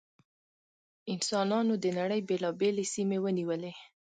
انسانانو د نړۍ بېلابېلې سیمې ونیولې.